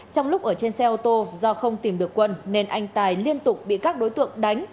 trong lúc ở trên xe ô tô do không tìm được quân nên anh tài liên tục bị các đối tượng đánh